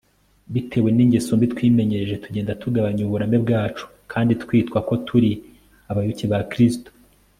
bitewe n'ingeso mbi twimenyereje, tugenda tugabanya uburame bwacu, kandi twitwa ko turi abayoboke ba kristo